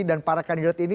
dan para kandidat ini